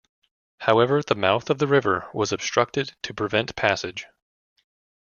However, the mouth of the river was obstructed to prevent passage.